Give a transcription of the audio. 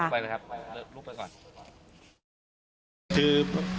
ไปแล้วครับลูกไปก่อน